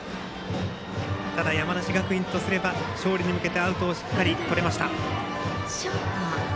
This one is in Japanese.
ただ、山梨学院とすれば勝利に向けてアウトをしっかりととれました。